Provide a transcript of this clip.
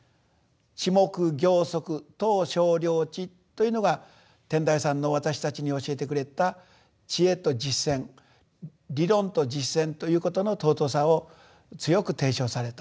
「智目行足到清涼池」というのが天台山の私たちに教えてくれた知恵と実践理論と実践ということの尊さを強く提唱されたと。